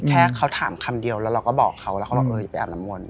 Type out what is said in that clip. เขาถามคำเดียวเราก็บอกเขาไปอาบน้ำมนต์